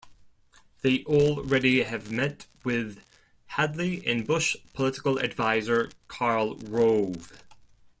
They already have met with Hadley and Bush political adviser Karl Rove.